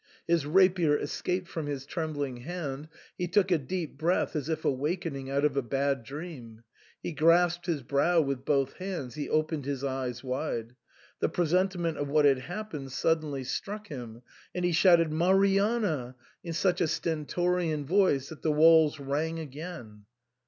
His rapier escaped from his trembling hand ; he took a deep breath as if awakening out of a bad dream ; he grasped his brow with both hands ; he opened his eyes wide. The pre sentiment of what had happened suddenly struck him, and he shouted, " Marianna !" in such a stentorian voice that the walls rang again.